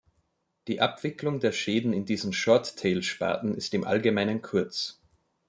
Die Abwicklung der Schäden in diesen Short-tail-Sparten ist im Allgemeinen kurz.